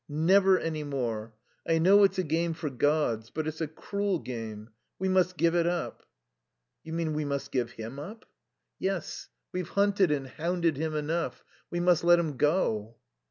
"Never any more. I know it's a game for gods; but it's a cruel game. We must give it up." "You mean we must give him up?" "Yes, we've hunted and hounded him enough. We must let him go."